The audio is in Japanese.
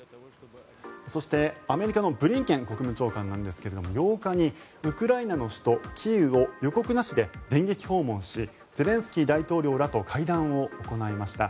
そしてアメリカのブリンケン国務長官なんですが８日にウクライナの首都キーウを予告なしで電撃訪問しゼレンスキー大統領らと会談を行いました。